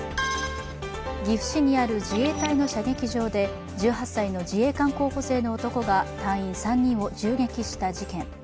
岐阜市にある自衛隊の射撃場で１８歳の自衛官候補生の男が隊員３人を銃撃した事件。